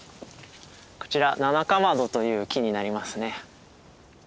こちらナナカマドという木になりますね。